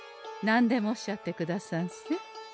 何でもおっしゃってくださんせ。